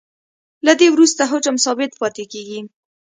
له دې وروسته حجم ثابت پاتې کیږي